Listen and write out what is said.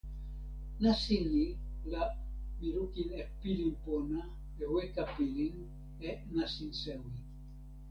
nasin ni la mi lukin e pilin pona e weka pilin e nasin sewi.